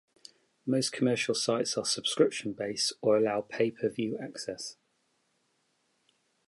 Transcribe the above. Most commercial sites are subscription-based, or allow pay-per-view access.